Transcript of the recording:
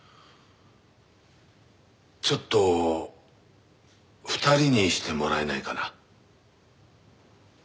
ちょっと２人にしてもらえないかな？